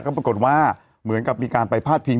ก็ปรากฏว่าเหมือนกับมีการไปพาดพิง